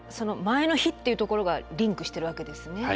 前の日っていうところがリンクしてるわけですね。